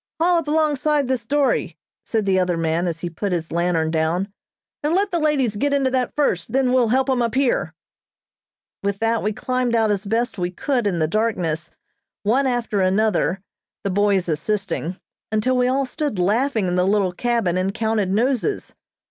"Haul up alongside this dory," said the other man as he put his lantern down, "and let the ladies get into that first, then we'll help 'em up here." With that we climbed out as we best could in the darkness, one after another, the boys assisting, until we all stood laughing in the little cabin, and counted noses.